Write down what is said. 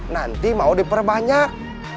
nanti mau diperbanyak